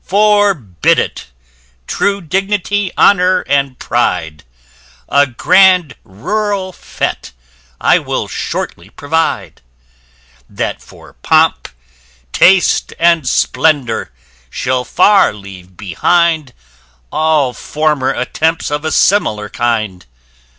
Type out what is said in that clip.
Forbid it, true dignity, honour and pride! A grand rural fête I will shortly provide, That for pomp, taste, and splendor, shall far leave behind, All former attempts of a similar kind."